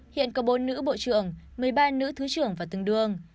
hiện có bốn nữ bộ trưởng một mươi ba nữ thứ trưởng và tương đương